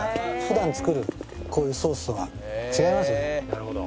なるほど。